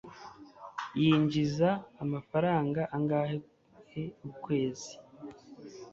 yinjiza amafaranga angahe ukwezi?